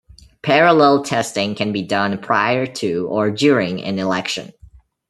Parallel testing can be done prior to or during an election.